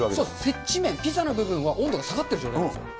接地面、ピザの部分は温度が下がってる状態なんですよ。